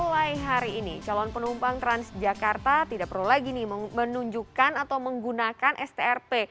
mulai hari ini calon penumpang transjakarta tidak perlu lagi menunjukkan atau menggunakan strp